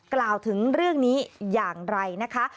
กล่าวถึงเรื่องนี้อย่างไรนะคะ